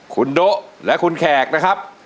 คุณโด๊ะและคุณแขกนะครับ